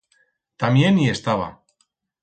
Tamién i estaba.